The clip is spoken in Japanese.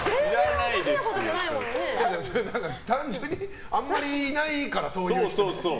単純にあんまりいないからそういう人。